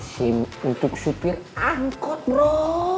sim untuk sipir angkot bro